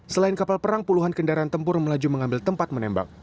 selain kapal perang puluhan kendaraan tempur melaju mengambil tempat menembak